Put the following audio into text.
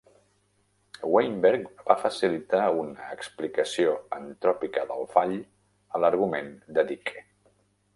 Weinberg va facilitar una explicació antròpica del fall a l"argument de Dicke.